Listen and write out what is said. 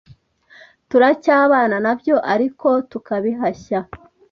turacyabana nabyo ariko tukabihashya,